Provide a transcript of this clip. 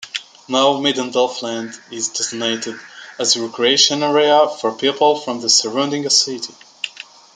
Now, Midden-Delfland is designated as a recreation area for people from the surrounding cities.